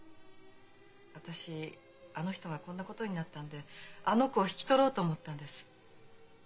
私あの人がこんなことになったんであの子を引き取ろうと思ったんです。